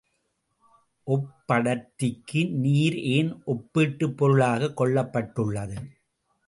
ஒப்படர்த்திக்கு நீர் ஏன் ஒப்பீட்டுப் பொருளாகக் கொள்ளப் பட்டுள்ளது?